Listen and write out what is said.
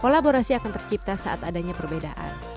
kolaborasi akan tercipta saat adanya perbedaan